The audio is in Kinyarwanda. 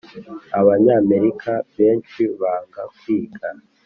Abanyamerika benshi banga kwiga